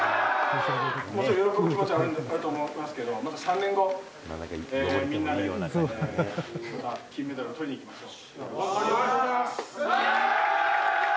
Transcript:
もちろん、喜ぶ気持ちはあると思いますけど、また３年後、みんなでまた金メダルをとりに行きましょう。